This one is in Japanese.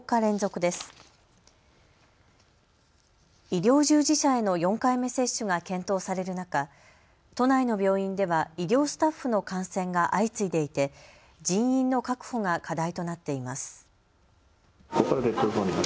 医療従事者への４回目接種が検討される中、都内の病院では医療スタッフの感染が相次いでいて人員の確保が課題となっています。